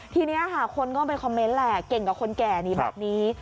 ทีนี้ค่ะคนก็ไปคอมเมนต์แหละเก่งกับคนแก่นี่แบบนี้